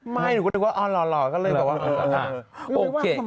ไม่หนูคิดว่าอ่อนหล่อก็เลยบอกว่าเออ